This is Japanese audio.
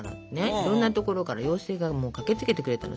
いろんなところから妖精が駆けつけてくれたの。